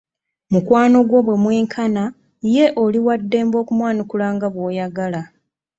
Mukwano gwo bwe mwenkana ye oli wa ddembe okumwanukula nga bw'oyagala.